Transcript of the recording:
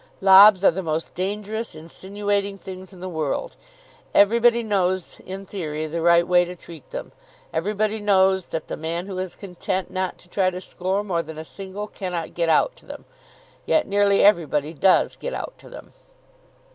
Lobs are the most dangerous, insinuating things in the world. Everybody knows in theory the right way to treat them. Everybody knows that the man who is content not to try to score more than a single cannot get out to them. Yet nearly everybody does get out to them.